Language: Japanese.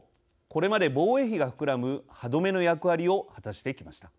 これまで、防衛費が膨らむ歯止めの役割を果たしてきました。